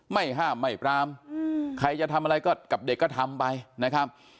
ไม่ห้ามไม่ปรามใครจะทำอะไรก็กับเด็กก็ทำไปนะครับ